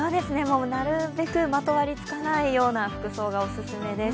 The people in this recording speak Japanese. なるべくまとわりつかないような服装がおすすめです。